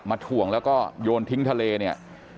ถ่วงแล้วก็โยนทิ้งทะเลเนี่ย